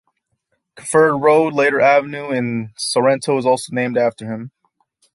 Kerferd Road, later Avenue, in Sorrento is also named after him.